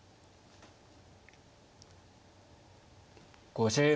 ５０秒。